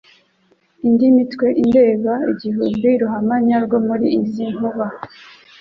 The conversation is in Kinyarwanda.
Indi mitwe indeba igihumbi, Ruhamanya rwo muli izi nkuba,